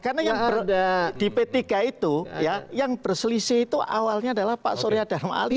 karena yang di p tiga itu yang berselisih itu awalnya adalah pak surya darma ali